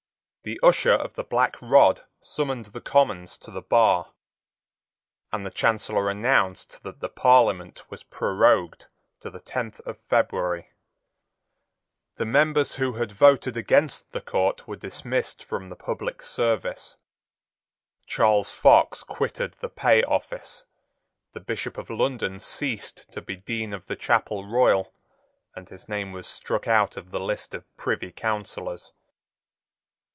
The Usher of the Black Rod summoned the Commons to the bar; and the Chancellor announced that the Parliament was prorogued to the tenth of February. The members who had voted against the court were dismissed from the public service. Charles Fox quitted the Pay Office. The Bishop of London ceased to be Dean of the Chapel Royal, and his name was struck out of the list of Privy Councillors.